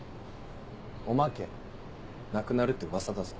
おまけなくなるってウワサだぞ。